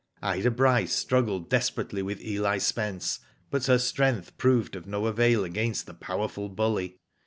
Ida Bryce struggled desperately with Eli Spence, but her strength proved of no avail against the powerful bully.